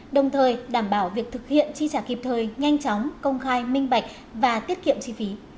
đồng thời đảm bảo việc thực hiện chi trả kịp thời nhanh chóng công khai minh bạch và tiết kiệm chi phí